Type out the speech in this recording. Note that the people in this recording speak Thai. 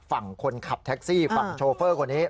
ฝั่งคนขับแท็กซี่ฝั่งโชเฟอร์คนนี้